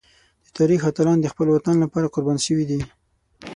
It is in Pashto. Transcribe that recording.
د تاریخ اتلان د خپل وطن لپاره قربان شوي دي.